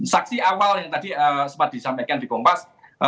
saksi awal yang tadi sempat disampaikan di kompas